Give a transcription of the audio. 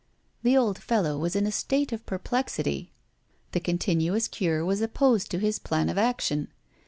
The old fellow was in a state of perplexity. The continuous cure was opposed to his plan of action.